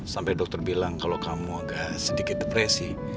sampai dokter bilang kalau kamu agak sedikit depresi